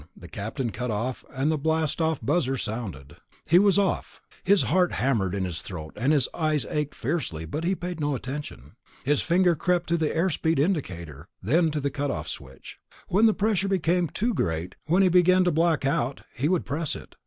The captain cut off, and the blastoff buzzer sounded. He was off. His heart hammered in his throat, and his eyes ached fiercely, but he paid no attention. His finger crept to the air speed indicator, then to the cut off switch. When the pressure became too great, when he began to black out, he would press it.